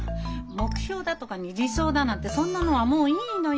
目標だとかね理想だなんてそんなのはもういいのよ。